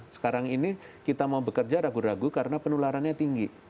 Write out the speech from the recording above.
sekarang ini kita mau bekerja ragu ragu karena penularannya tinggi